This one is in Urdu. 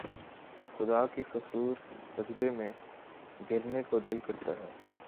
خدا کے حضور سجدے میں گرنے کو دل کرتا تھا